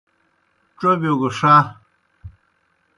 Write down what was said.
ڇوبِیو گہ ݜہ۔